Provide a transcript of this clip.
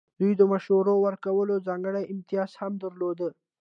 دوی د مشوره ورکولو ځانګړی امتیاز هم درلود.